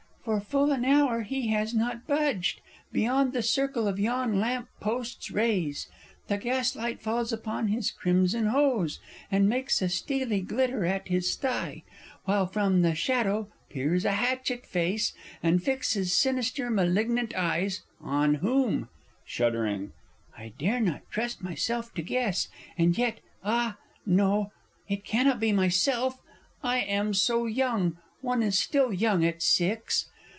For full an hour he has not budged Beyond the circle of yon lamp post's rays! The gaslight falls upon his crimson hose, And makes a steely glitter at his thigh, While from the shadow peers a hatchet face And fixes sinister malignant eyes On whom? (Shuddering.) I dare not trust myself to guess And yet ah, no it cannot be myself! I am so young one is still young at six!